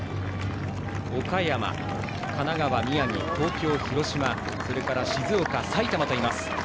岡山、神奈川、宮城東京、広島、静岡、埼玉がいます。